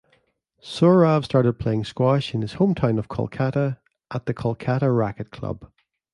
Saurav started playing squash in his hometown of Kolkata, at the Kolkata Racquet Club.